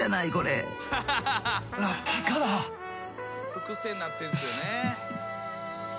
伏線になってるんですよね。